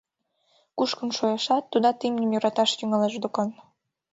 Кушкын шуэшат, тудат имньым йӧраташ тӱҥалеш докан.